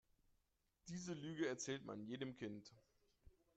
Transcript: Diese Lüge erzählt man jedem Kind.